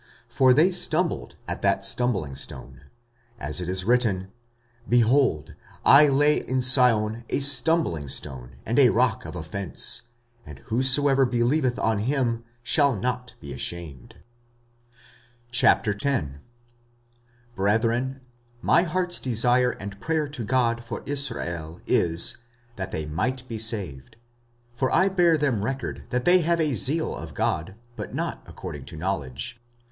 For they stumbled at that stumblingstone; 45:009:033 As it is written, Behold, I lay in Sion a stumblingstone and rock of offence: and whosoever believeth on him shall not be ashamed. 45:010:001 Brethren, my heart's desire and prayer to God for Israel is, that they might be saved. 45:010:002 For I bear them record that they have a zeal of God, but not according to knowledge.